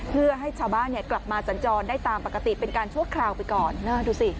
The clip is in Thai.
เพื่อให้ชาวบ้านเนี่ยกลับมาสัญจรได้ตามปกติเป็นการชั่วคราวไปก่อนดูสิ